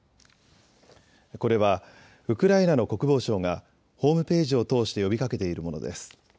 これはウクライナの国防省がホームページを通して呼びかけているものです。